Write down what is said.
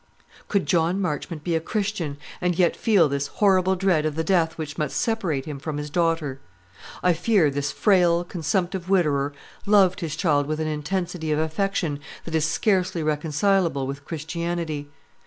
Could John Marchmont be a Christian, and yet feel this horrible dread of the death which must separate him from his daughter? I fear this frail, consumptive widower loved his child with an intensity of affection that is scarcely reconcilable with Christianity.